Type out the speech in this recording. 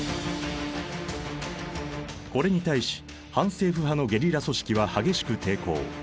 これに対し反政府派のゲリラ組織は激しく抵抗。